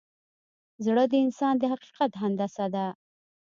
زړه د انسان د حقیقت هندسه ده.